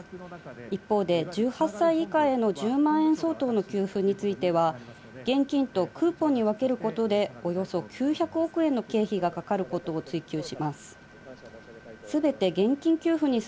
一方で１８歳以下への１０万円相当の給付については、現金とクーポンに分けることで、およそ９００億円の経費がかかることを追及します。